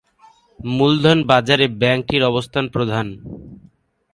মূলধন বাজারে ব্যাংকটির অবস্থান প্রধান।